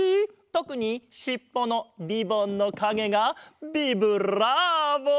とくにしっぽのリボンのかげがビブラーボ！